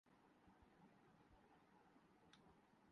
what's app کا متعد